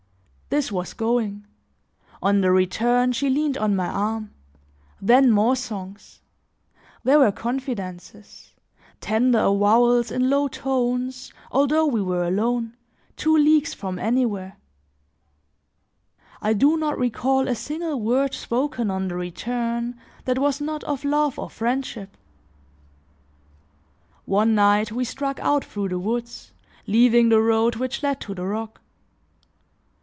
This was going; on the return, she leaned on my arm; then more songs; there were confidences, tender avowals in low tones, although we were alone, two leagues from anywhere. I do not recall a single word spoken on the return that was not of love or friendship. One night, we struck out through the woods, leaving the road which led to the rock.